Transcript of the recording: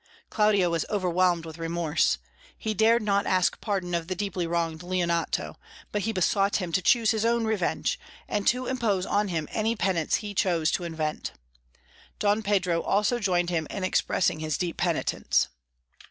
Claudio was overwhelmed with remorse; he dared not ask pardon of the deeply wronged Leonato, but he besought him to chose his own revenge, and to impose on him any penance he choose to invent. Don Pedro also joined him in expressing his deep penitence.